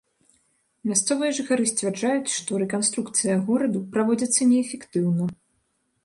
Мясцовыя жыхары сцвярджаюць, што рэканструкцыя гораду праводзіцца неэфектыўна.